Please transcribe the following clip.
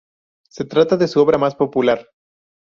Se trata de su obra más popular.